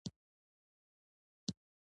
ترڅنګ یې یو امتیازي سیستم هم رامنځته شو.